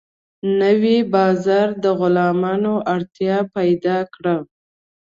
نوی بازار د غلامانو اړتیا پیدا کړه.